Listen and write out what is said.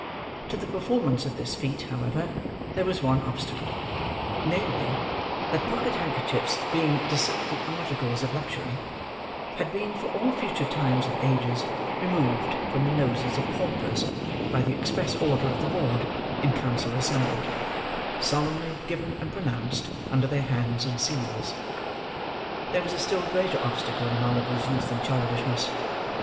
To the performance of this feat, however, there was one obstacle: namely, that pocket handkerchiefs being decided articles of luxury, had been, for all future times and ages, removed from the noses of paupers by the express order of the board, in council assembled: solemnly given and pronounced under their hands and seals. There was a still greater obstacle in Oliver's youth and childishness.